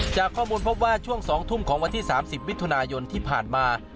จากข้อมูลพบว่าช่วง๒ทุ่มของวันที่๓๐มิถุนายนที่ผ่านมา